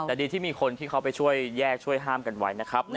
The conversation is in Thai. แต่ดีที่มีคนที่เขาไปช่วยแยกช่วยห้ามกันไว้นะครับ